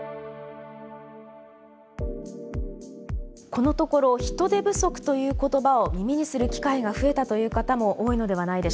このところ「人手不足」という言葉を耳にする機会が増えたという方も多いのではないでしょうか。